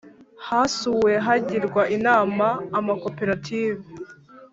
hasuwe hagirwa inama ama koperative